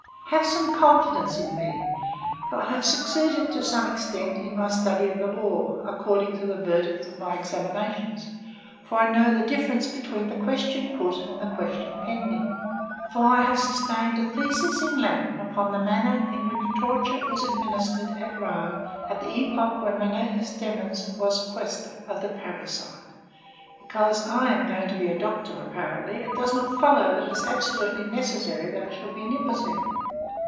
Have some confidence in me, for I have succeeded to some extent in my study of the law, according to the verdict of my examinations, for I know the difference between the question put and the question pending, for I have sustained a thesis in Latin upon the manner in which torture was administered at Rome at the epoch when Munatius Demens was quæstor of the Parricide; because I am going to be a doctor, apparently it does not follow that it is absolutely necessary that I should be an imbecile.